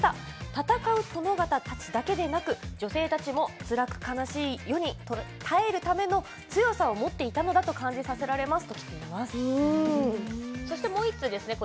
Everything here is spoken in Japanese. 戦う殿方たちだけでなく女性たちも、つらく悲しい世に耐えるための強さを持っていたのだと感じさせられます。